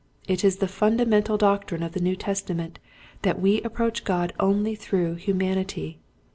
It is the fundamental doc trine of the New Testament that we ap proach God only through humanity.